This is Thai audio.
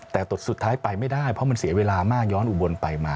แต่สุดท้ายไปไม่ได้เพราะมันเสียเวลามากย้อนอุบลไปมา